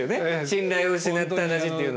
信頼を失った話っていうのは。